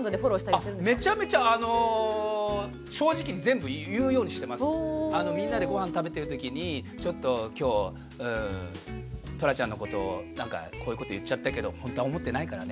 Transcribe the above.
あめちゃめちゃあのみんなでご飯食べてるときにちょっと今日とらちゃんのことをこういうこと言っちゃったけどほんとは思ってないからね。